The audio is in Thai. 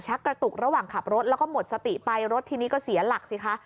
กระตุกระหว่างขับรถแล้วก็หมดสติไปรถทีนี้ก็เสียหลักสิคะ